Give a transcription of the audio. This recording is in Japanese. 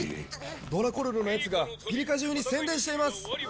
ドラコルルのヤツがピリカ中に宣伝しています。